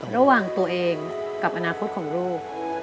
ระหว่างตัวเองกับอนาคตของลูก